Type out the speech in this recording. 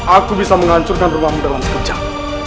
aku bisa menghancurkan rumahmu dalam sekejap